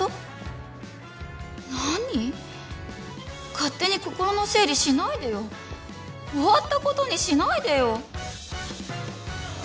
勝手に心の整理しないでよ終わったことにしないでよ